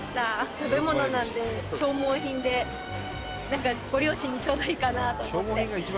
「食べ物なので、消耗品でご両親にちょうどいいかなと思って」